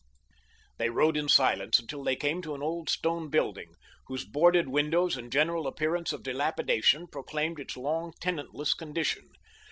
They rode in silence until they came to an old stone building, whose boarded windows and general appearance of dilapidation proclaimed its long tenantless condition.